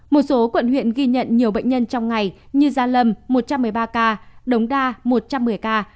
một số quận huyện ghi nhận nhiều bệnh nhân trong ngày như gia lâm một trăm một mươi ba ca đống đa một trăm một mươi ca